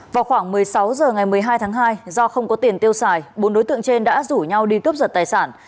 vào khoảng một mươi sáu h ngày một mươi hai tháng hai do không có tiền tiêu xài bốn đối tượng trên đã rủ nhau đi cướp giật tài sản